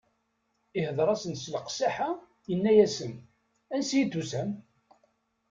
Ihdeṛ-asen s leqsaḥa, inna-asen: Ansi i d-tusam?